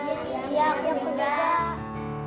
iya ya mudah